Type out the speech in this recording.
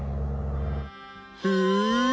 へえ。